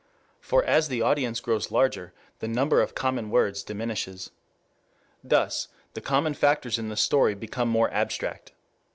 For as the audience grows larger, the number of common words diminishes. Thus the common factors in the story become more abstract.